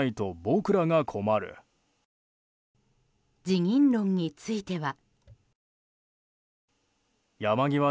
辞任論については。